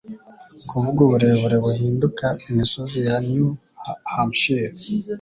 Kuvuga uburebure buhinduka imisozi ya New Hampshire,